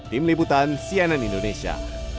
tim liputan sienan indonesia